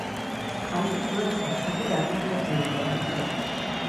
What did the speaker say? খালটি খোলার জন্য সাতটি টার্মিনাল ডক নির্মাণ করা হয়েছিল।